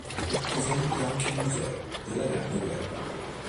È presente anche un Museo della Grande Guerra.